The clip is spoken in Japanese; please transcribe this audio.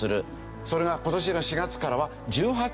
それが今年の４月からは１８円になる。